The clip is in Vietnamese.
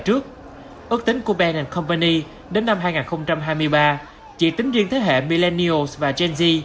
ước tính của bank company đến năm hai nghìn hai mươi ba chỉ tính riêng thế hệ millennials và gen z